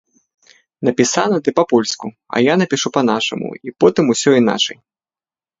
Напісана, ды па-польску, а я напішу па-нашаму і потым усё іначай.